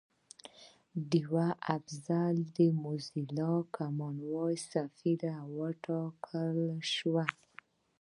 ډیوه افضل د موزیلا کامن وایس سفیره وټاکل شوه